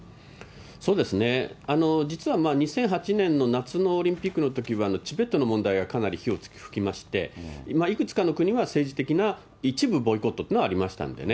そうですね、実は２００８年の夏のオリンピックのときは、チベットの問題がかなり火を噴きまして、いくつかの国は政治的な一部ボイコットというのはありましたんでね。